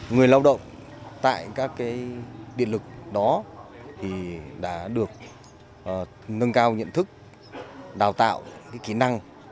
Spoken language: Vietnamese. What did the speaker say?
người lao động tại các điện lực đó đã được nâng cao nhận thức đào tạo kỹ năng